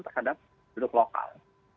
terhadap penduduk lokal